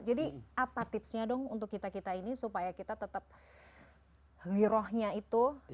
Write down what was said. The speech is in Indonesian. jadi apa tipsnya dong untuk kita kita ini supaya kita tetap girohnya itu